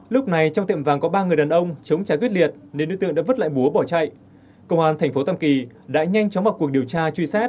lúc này trong tiệm vàng có ba người đàn ông chống trái quyết liệt nên đối tượng đã vứt lại búa bỏ chạy cơ quan thành phố tâm kỳ đã nhanh chóng vào cuộc điều tra truy xét